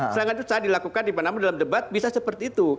serangan itu saya dilakukan di panamu dalam debat bisa seperti itu